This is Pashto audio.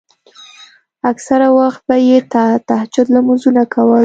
اکثره وخت به يې د تهجد لمونځونه کول.